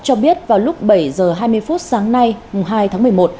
cho biết vào lúc bảy h hai mươi phút sáng nay hai tháng một mươi một